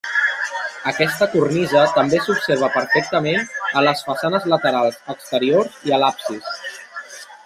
Aquesta cornisa també s'observa perfectament a les façanes laterals exteriors i a l'absis.